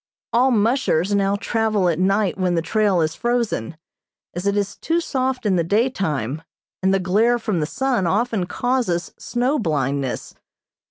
All "mushers" now travel at night when the trail is frozen, as it is too soft in the daytime, and the glare of the sun often causes snow blindness.